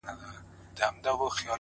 • د لېوه داړو ته ځان مي وو سپارلی ,